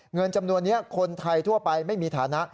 เงินจำนวนนี้คนไทยทั่วไปไม่มีฐานะ